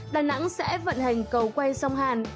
đà nẵng sẽ vận hành cầu quay sông hàn